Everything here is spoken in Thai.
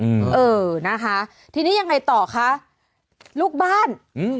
เออนะคะทีนี้ยังไงต่อคะลูกบ้านอืม